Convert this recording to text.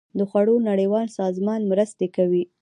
د خوړو نړیوال سازمان مرستې کوي